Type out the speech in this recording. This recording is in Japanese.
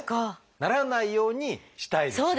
ならないようにしたいです。